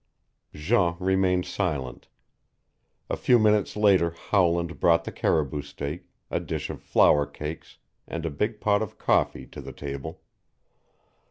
Jean remained silent. A few minutes later Howland brought the caribou steak, a dish of flour cakes and a big pot of coffee to the table.